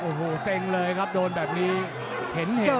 โอ้โหเซ็งเลยครับโดนแบบนี้เห็น